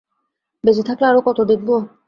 বেঁচে থাকলে আরও কত দেখব!